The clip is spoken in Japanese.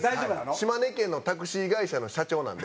島根県のタクシー会社の社長なんで。